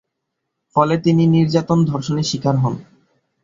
ফলে তিনি নির্যাতন, ধর্ষণের শিকার হন।